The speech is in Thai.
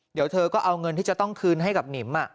เดี๋ยวเธอก็เอาเงินที่จะต้องคืนให้กับหนิม